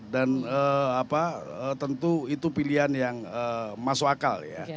dan tentu itu pilihan yang masuk akal ya